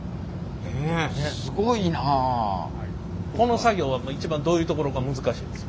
この作業は一番どういうところが難しいんですか？